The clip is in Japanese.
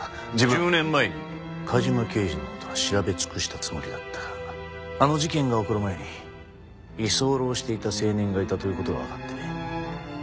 １０年前に梶間刑事の事は調べ尽くしたつもりだったがあの事件が起こる前に居候していた青年がいたという事がわかってね。